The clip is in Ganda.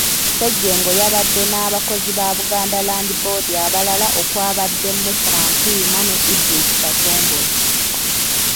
Ssejjengo yabadde n’abakozi ba Buganda Land Board abalala okwabadde Musa Mpiima ne Edris Katongole.